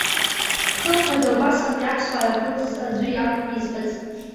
Хымԥада убасҟантәи аԥсуаа ирхылҵыз аӡәы иакәын избаз.